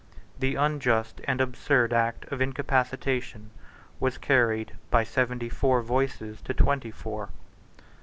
The unjust and absurd Act of Incapacitation was carried by seventy four voices to twenty four.